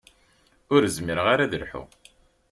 Ur zmireɣ ara ad lḥuɣ.